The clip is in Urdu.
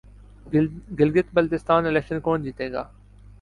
گلگت بلتستان الیکشن کون جیتےگا